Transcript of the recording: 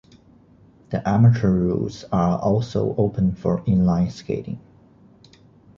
The amateur routes are also open for inline skating.